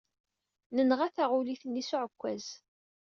Nenɣa taɣulit-nni s uɛekkaz.